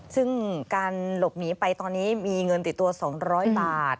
ซึ่งการหลบหนีไปตอนนี้มีเงินติดตัว๒๐๐บาท